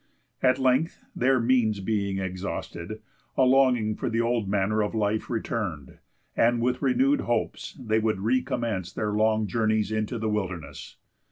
At length, their means being exhausted, a longing for the old manner of life returned, and with renewed hopes they would recommence their long journeys into the wilderness.